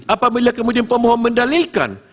apabila kemudian pemohon mendalikan